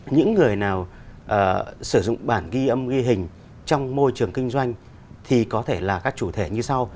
những người nào sử dụng bản ghi âm ghi hình trong môi trường kinh doanh thì có thể là các chủ thể như sau